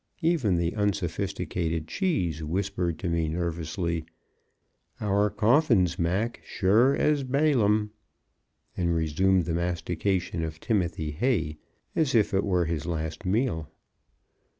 Even the unsophisticated Cheese, whispered to me nervously, "Our coffins, Mac, sure as Balaam!" and resumed the mastication of timothy hay, as if it were his last meal.